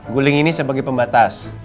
guling ini sebagai pembatas